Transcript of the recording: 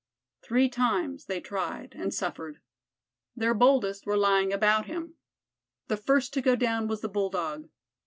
Three times they tried and suffered. Their boldest were lying about him. The first to go down was the Bulldog.